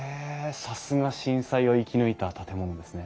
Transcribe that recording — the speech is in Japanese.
さすが震災を生き抜いた建物ですね。